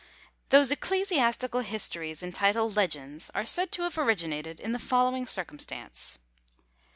Those ecclesiastical histories entitled Legends are said to have originated in the following circumstance.